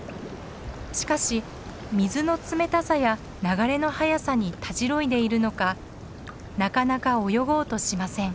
しかし水の冷たさや流れの速さにたじろいでいるのかなかなか泳ごうとしません。